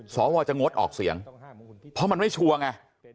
สวจะงดออกเสียงเพราะมันไม่ชัวร์ไง